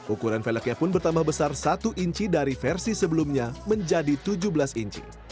ukuran veleknya pun bertambah besar satu inci dari versi sebelumnya menjadi tujuh belas inci